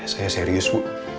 saya serius bu